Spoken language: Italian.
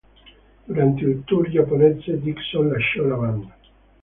Durante il tour giapponese Dixon lasciò la band.